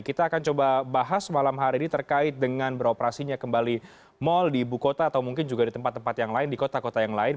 kita akan coba bahas malam hari ini terkait dengan beroperasinya kembali mal di ibu kota atau mungkin juga di tempat tempat yang lain di kota kota yang lain